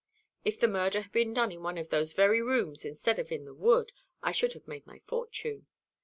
If the murder had been done in one of those very rooms instead of in the wood, I should have made my fortune.